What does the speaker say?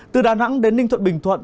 từ đà nẵng đến ninh thuận bình thuận